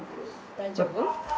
大丈夫？